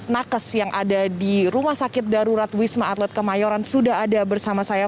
nakes yang ada di rumah sakit darurat wisma atlet kemayoran sudah ada bersama saya